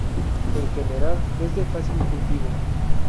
En general es de fácil cultivo.